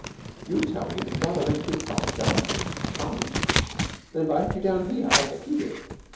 You tell me the brother met you by chance. Chance! And invited you down here. I bet he did!